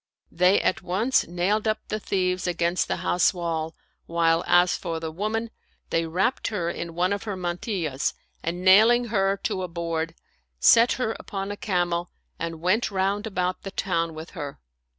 They at once nailed up the thieves against the house wall, while, as for the woman, they wrapped her in one of her mantillas and nailing her to a board, set her upon a camel and went round about the town with her.